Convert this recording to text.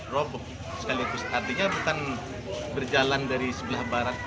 robok sekaligus tadinya bukan berjalan dari sebelah barat